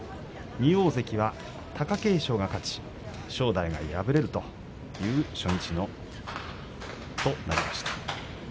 両大関は、貴景勝が勝ち正代が敗れるという初日となりました。